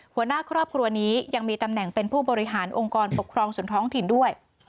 หัวหน้าครอบครัวนี้ยังมีตำแหน่งเป็นผู้บริหารองค์กรปกครองส่วนท้องถิ่นด้วย